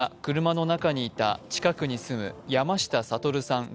消防が、車の中にいた近くに住む山下悟さん